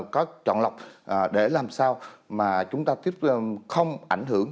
có chọn lọc để làm sao mà chúng ta không ảnh hưởng